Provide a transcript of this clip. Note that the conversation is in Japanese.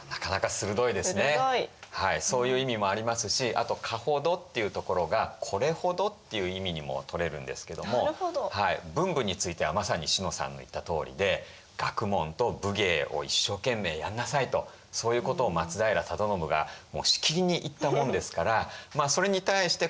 あと「蚊ほど」っていうところが「これほど」っていう意味にも取れるんですけども「ぶんぶ」についてはまさに詩乃さんが言ったとおりで「学問と武芸を一生懸命やんなさい」とそういうことを松平定信がしきりに言ったもんですからそれに対して民衆がですね